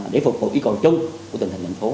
để phục vụ yêu cầu chung của tình hình thành phố